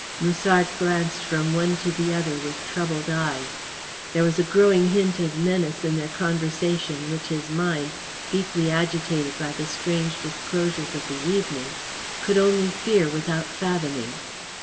Musard glanced from one to the other with troubled eyes. There was a growing hint of menace in their conversation which his mind, deeply agitated by the strange disclosures of the evening, could only fear without fathoming.